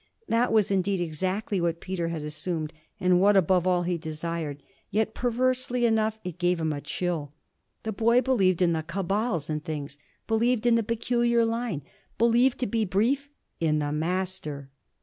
That was indeed exactly what Peter had assumed and what above all he desired; yet perversely enough it gave him a chill. The boy believed in the cabals and things, believed in the peculiar line, believed, to be brief, in the Master.